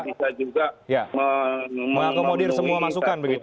oh ya kita juga bisa mengakomodir semua masukan begitu